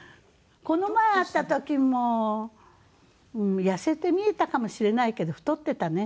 この前会った時も痩せて見えたかもしれないけど太ってたね。